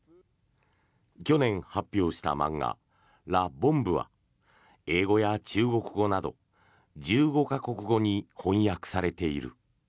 去年発表した漫画「ラ・ボンブ」は英語や中国語など１５か国語に翻訳されている。